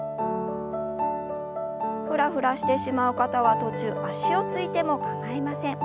ふらふらしてしまう方は途中足をついても構いません。